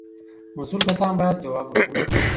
مسؤل کسان باید ځواب ورکوونکي وي.